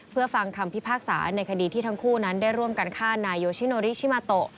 เพื่อฟังคำพิพากษาในคดีที่ทั้งคู่นั้นได้ร่วมกันฆ่านายโยชิโนริชิมาโต